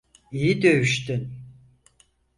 İyi dövüştün.